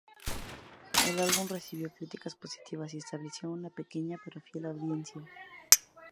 El álbum recibió críticas positivas y estableció una pequeña pero fiel audiencia.